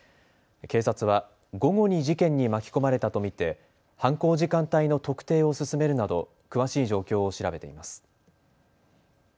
警察は午後に事件に巻き込まれたと見て犯行時間帯の特定を進めるなど詳しい状況を調べています。